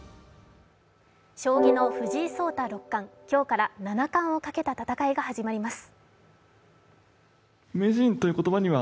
将棋の藤井聡太六冠、今日から七冠をかけた戦いが始まります。